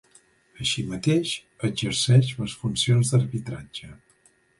Així mateix, exerceix les funcions d'arbitratge.